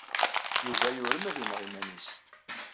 Yuba yurem ad ineɣ iman-nnes.